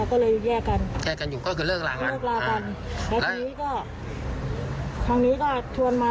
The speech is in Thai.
ก่อนหน้าก่อนเขาทำงานโลตัสด้วยกัน